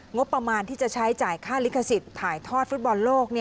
งบประมาณที่จะใช้จ่ายค่าลิขสิทธิ์ถ่ายทอดฟุตบอลโลก